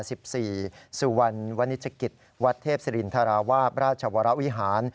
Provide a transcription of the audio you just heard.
สุวรรณวนิชกิจวัดเทพศิรินทราวาสราชวรวิหาร